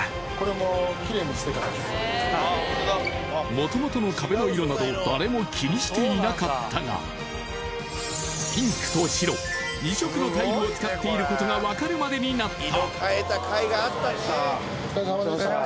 もともとの壁の色など誰も気にしていなかったがピンクと白、２色のタイルを使っていることが分かるまでになった。